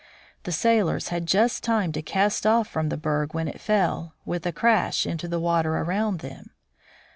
The sailors had just time to cast off from the berg when it fell, with a crash, into the water around them.